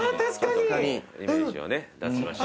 イメージを出しました。